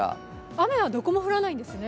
雨はどこも降らないんですね？